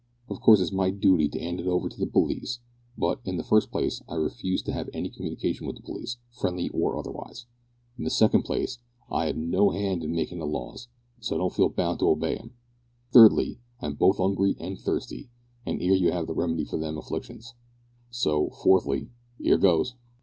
Of course it's my dooty to 'and it over to the p'lice, but, in the first place, I refuse to 'ave any communication wi' the p'lice, friendly or otherwise; in the second place, I 'ad no 'and in makin' the laws, so I don't feel bound to obey 'em; thirdly, I'm both 'ungry an' thirsty, an' 'ere you 'ave the remedy for them afflictions, so, fourthly 'ere goes!"